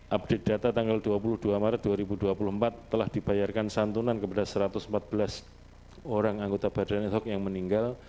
update data tanggal dua puluh dua maret dua ribu dua puluh empat telah dibayarkan santunan kepada satu ratus empat belas orang anggota badan asok yang meninggal